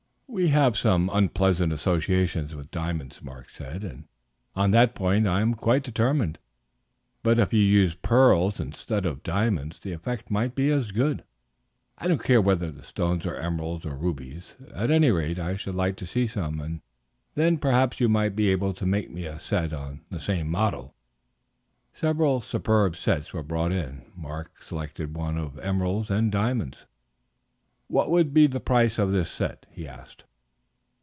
"We have some unpleasant associations with diamonds," Mark said, "and on that point I am quite determined; but if you used pearls instead of diamonds the effect might be as good. I don't care whether the stones are emeralds or rubies; at any rate, I should like to see some, and then perhaps you might be able to make me a set on the same model." Several superb sets were brought in; Mark selected one of emeralds and diamonds. "What would be the price of this set?" he asked.